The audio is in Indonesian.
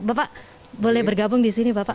bapak boleh bergabung di sini bapak